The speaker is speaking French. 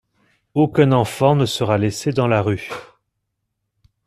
Aucun enfant ne sera laissé dans la rue.